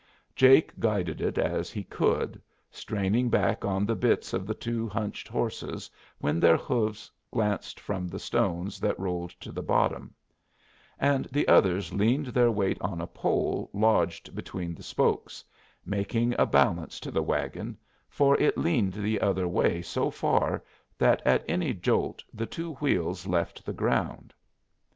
Jake guided it as he could, straining back on the bits of the two hunched horses when their hoofs glanced from the stones that rolled to the bottom; and the others leaned their weight on a pole lodged between the spokes, making a balance to the wagon, for it leaned the other way so far that at any jolt the two wheels left the ground.